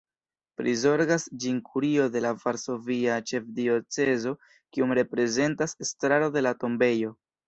Prizorgas ĝin Kurio de la Varsovia Ĉefdiocezo, kiun reprezentas estraro de la tombejo.